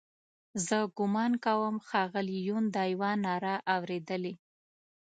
زه ګومان کوم ښاغلي یون دا یوه ناره اورېدلې.